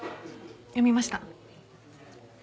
読みました。